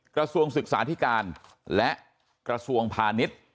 กระทรวงศึกษาธิการและกระทรวงพาณิชย์